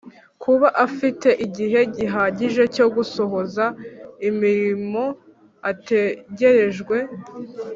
kuba afite igihe gihagije cyo gusohoza imirimo ategerejwe